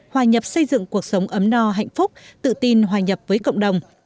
hòa nhập xây dựng cuộc sống ấm no hạnh phúc tự tin hòa nhập với cộng đồng